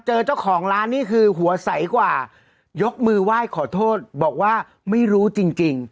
เจอเจ้าของร้านนี่คือหัวใสกว่ายกมือไหว้ขอโทษบอกว่าไม่รู้จริงจริง